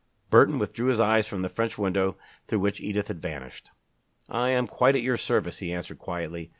Burton withdrew his eyes from the French window through which Edith had vanished. "I am quite at your service," he answered quietly.